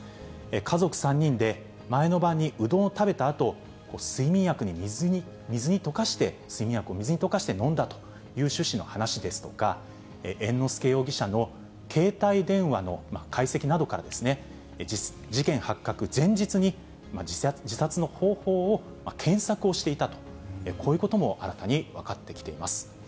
家族３人で、前の晩にうどんを食べたあと、睡眠薬を水に溶かして飲んだという趣旨の話ですとか、猿之助容疑者の携帯電話の解析などから、事件発覚前日に、自殺の方法を検索をしていたと、こういうことも新たに分かってきています。